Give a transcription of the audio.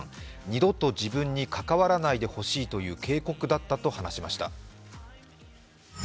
二度と自分に関わらないでほしいという警告だったと話しました。